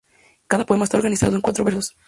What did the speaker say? Cada poema está organizado en cuatro versos.